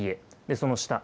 その下。